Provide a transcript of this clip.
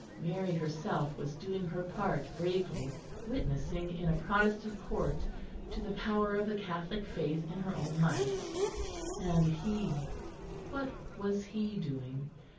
Mary herself was doing her part bravely, witnessing in a Protestant Court to the power of the Catholic Faith in her own life; and he, what was he doing?